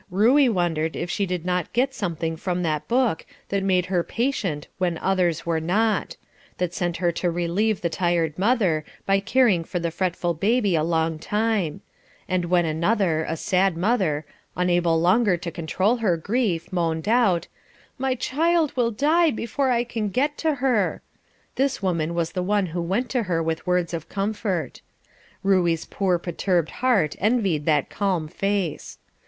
Ruey wondered if she did not get something from that book that made her patient when others were not that sent her to relieve the tired mother, by caring for the fretful baby a long time; and when another, a sad mother, unable longer to control her grief, moaned out, "My child will die before I can get to her," this woman was the one who went to her with words of comfort. Ruey's poor perturbed heart envied that calm face.